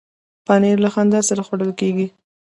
پنېر له خندا سره خوړل کېږي.